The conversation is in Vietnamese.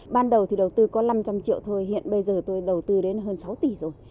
ban đầu thì đầu tư có năm trăm linh triệu thôi hiện bây giờ tôi đầu tư đến hơn sáu tỷ rồi